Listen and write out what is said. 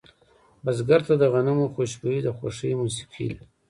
بزګر ته د غنمو خوشبويي د خوښې موسیقي ده